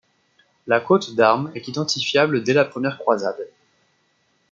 La cotte d'armes est identifiable dès la première croisade.